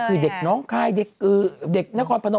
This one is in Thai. คือเด็กน้องคายเด็กนครพนม